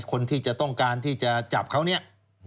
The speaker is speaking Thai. คนที่จะต้องการที่จะจับเขาเนี่ย